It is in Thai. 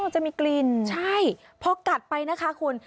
จะมีกลิ่นใช่พอกัดไปนะคะคุณ